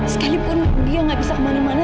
sekalipun dia nggak bisa kemana mana